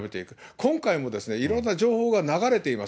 今回もですね、いろんな情報が流れています。